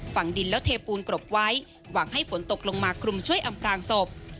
ฝั่งดินแล้วเทปูนกรบไว้หวังให้ฝนตกลงมาคลุมช่วยอำพลางศพ